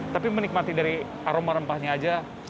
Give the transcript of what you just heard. tapi menikmati dari aroma rempahnya aja